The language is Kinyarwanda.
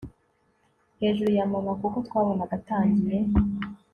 hejuru ya mama kuko twabonaga atangiye